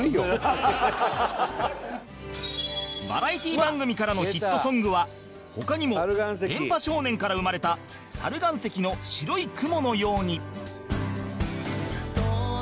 バラエティ番組からのヒットソングは他にも『電波少年』から生まれた猿岩石の『白い雲のように』